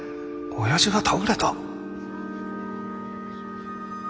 親父が倒れた？